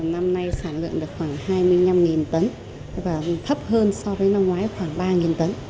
năm nay sản lượng được khoảng hai mươi năm tấn và thấp hơn so với năm ngoái khoảng ba tấn